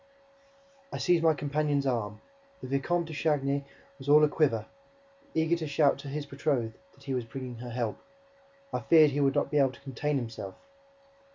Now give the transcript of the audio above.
I seized my companion's arm: the Vicomte de Chagny was all a quiver, eager to shout to his betrothed that he was bringing her help. I feared that he would not be able to contain himself.